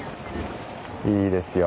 いいですよ。